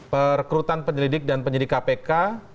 perekrutan penyelidik dan penyidik kpk